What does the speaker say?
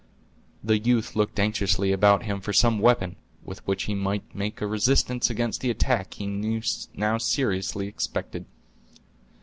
The youth looked anxiously about him for some weapon, with which he might make a resistance against the attack he now seriously expected.